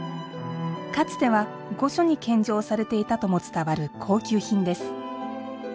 かつては御所に献上されていたとも伝わる高級品です。